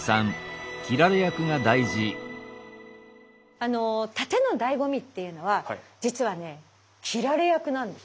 あの殺陣のだいご味っていうのは実はね斬られ役なんです。